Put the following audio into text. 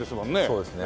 そうですね